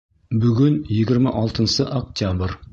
Бөгөн егерме алтынсы октябрь.